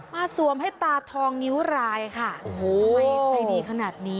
มาสวมให้ตาทองนิ้วลายค่ะทำไมใจดีขนาดนี้